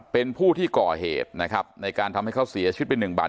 เป็นผู้ที่ก่อเหตุนะครับในการทำให้เขาเสียชีวิตไป๑บาท